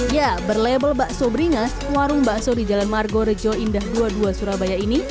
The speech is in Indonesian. ya berlabel bakso beringas warung bakso di jalan margorejo indah dua puluh dua surabaya ini